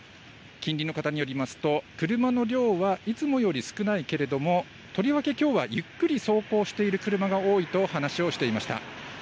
近隣の方によりますと、車の量はいつもより少ないけれども、とりわけきょうはゆっくり走行している車が多いと話をしていました。